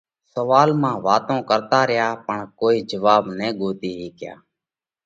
سوئال مانه واتون ڪرتا ريا پڻ ڪوئي جواٻ نہ ڳوتي هيڪيا۔